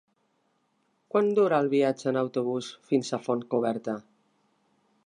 Quant dura el viatge en autobús fins a Fontcoberta?